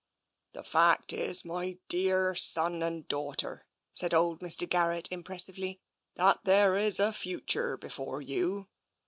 " The fact is, my dear son and daughter," said old Mr. Garrett impressively, " that there is a future be fore you.